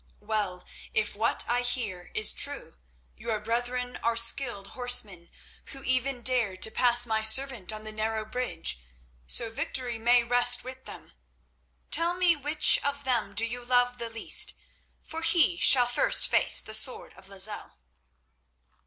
Well, if what I hear is true, your brethren are skilled horsemen who even dared to pass my servant on the narrow bridge, so victory may rest with them. Tell me which of them do you love the least, for he shall first face the sword of Lozelle."